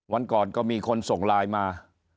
วันก่อนก็มีคนส่งไลน์มา